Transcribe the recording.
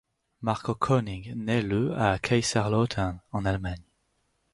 Marco König naît le à Kaiserslautern en Allemagne.